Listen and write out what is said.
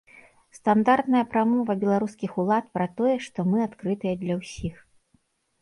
Стандартная прамова беларускіх ўлад пра тое, што мы адкрытыя для ўсіх.